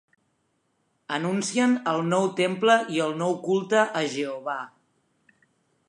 Anuncien el Nou Temple i el nou culte a Jehovà.